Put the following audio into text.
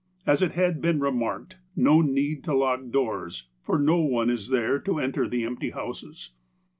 As it has been re marked, ' No need to lock doors, for no one is there to enter the empty houses.'